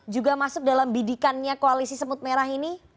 juga masuk dalam bidikannya koalisi semut merah ini